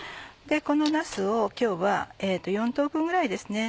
このなすを今日は４等分ぐらいですね。